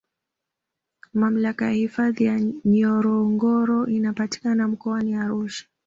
Mamlaka ya hifadhi ya ngorongoro inapatikana Mkoani Arusha